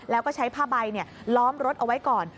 แล้วก็ใช้ผ้าใบล้อมรถเอาไว้ก่อน